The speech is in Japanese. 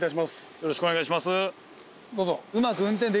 よろしくお願いします。